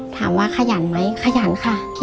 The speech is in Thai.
ถามว่าขยันไหมขยันค่ะ